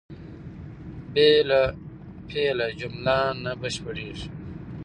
بې له فعله جمله نه بشپړېږي.